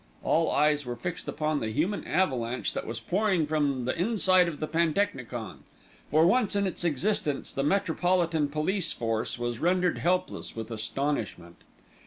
All eyes were fixed upon the human avalanche that was pouring from the inside of the pantechnicon. For once in its existence the Metropolitan Police Force was rendered helpless with astonishment.